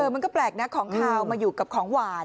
มันก็แปลกนะของขาวมาอยู่กับของหวาน